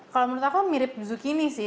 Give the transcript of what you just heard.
kalau menurut aku mirip zukini sih